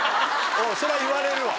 それは言われるわ。